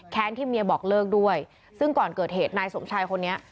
ที่เมียบอกเลิกด้วยซึ่งก่อนเกิดเหตุนายสมชายคนนี้